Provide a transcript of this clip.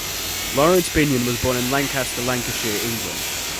Laurence Binyon was born in Lancaster, Lancashire, England.